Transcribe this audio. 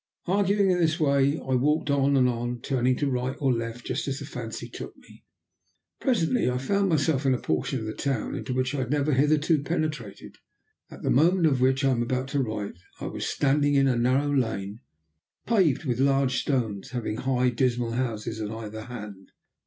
Arguing in this way I walked on and on, turning to right or left, just as the fancy took me. Presently I found myself in a portion of the town into which I had never hitherto penetrated. At the moment of which I am about to write, I was standing in a narrow lane, paved with large stones, having high dismal houses on either hand.